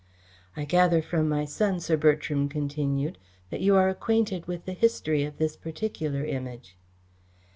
"I gather from my son," Sir Bertram continued, "that you are acquainted with the history of this particular Image."